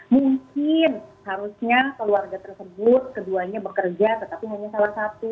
mungkin harusnya keluarga tersebut keduanya bekerja tetapi hanya salah satu